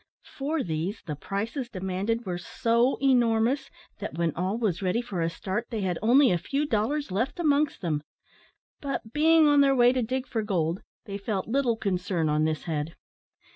For these the prices demanded were so enormous, that when all was ready for a start they had only a few dollars left amongst them. But being on their way to dig for gold, they felt little concern on this head.